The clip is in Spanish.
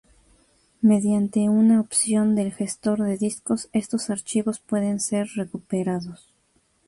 Mediante una opción del gestor de discos estos archivos pueden ser recuperados.